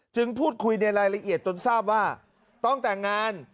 พูดคุยในรายละเอียดจนทราบว่าต้องแต่งงาน